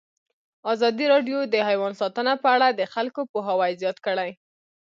ازادي راډیو د حیوان ساتنه په اړه د خلکو پوهاوی زیات کړی.